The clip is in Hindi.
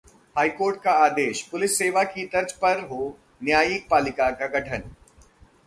हाईकोर्ट का आदेश, पुलिस सेवा की तर्ज पर हो न्यायिक पालिका का गठन